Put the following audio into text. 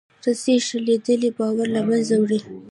رسۍ شلېدلې باور له منځه وړي.